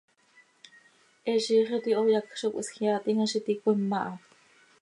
He ziix iti hoyacj zo cöhisjeaatim ha z iti cöima ha.